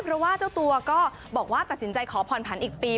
เพราะว่าเจ้าตัวก็บอกว่าตัดสินใจขอผ่อนผันอีกปี